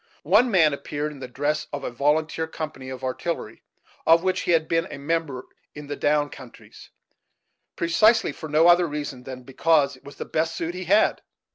One man appeared in the dress of a volunteer company of artillery, of which he had been a member in the "down countries," precisely for no other reason than because it was the best suit he had.